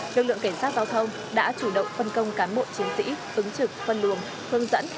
lực lượng cảnh sát giao thông đã chủ động phân công cán bộ chiến sĩ ứng trực phân luồng hướng dẫn